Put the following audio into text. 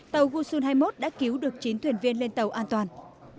tàu uson hai mươi một đã cứu được chín thuyền viên lên tàu an toàn